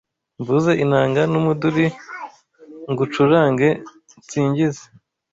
Mvuze inanga n'umuduri Ngucurange nsingize